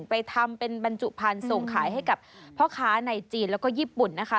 ไปทำเป็นบรรจุพันธุ์ส่งขายให้กับพ่อค้าในจีนแล้วก็ญี่ปุ่นนะคะ